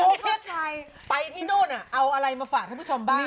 เพื่อนชายไปที่นู่นเอาอะไรมาฝากท่านผู้ชมบ้าง